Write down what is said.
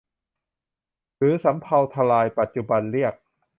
หรือสำเภาทะลายปัจจุบันเรียก